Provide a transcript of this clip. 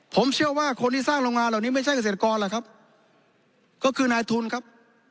ผมเชื่อว่าคนที่สร้างโรงงานเหล่านี้ไม่ใช่เกษตรกรหรอกครับก็คือนายทุนครับ